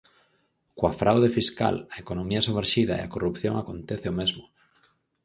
Coa fraude fiscal, a economía somerxida e a corrupción acontece o mesmo.